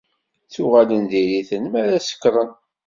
Ttuɣalen diri-ten mi ara sekṛen.